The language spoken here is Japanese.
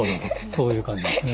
そういう感じですね。